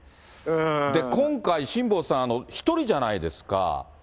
今回ね、辛坊さん、１人じゃないですか。